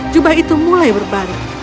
jubah itu mulai berbangun